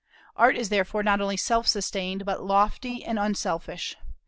Art is therefore not only self sustained, but lofty and unselfish.